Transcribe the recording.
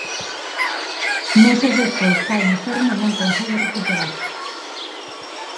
Meses despois cae enfermo e non consegue recuperarse.